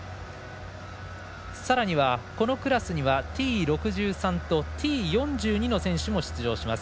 さらには、このクラスにはＴ６３とＴ４２の選手も出場します。